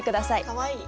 かわいい！